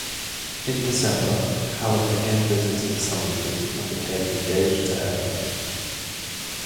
In December, Hallam again visited Somersby and became engaged to Emily.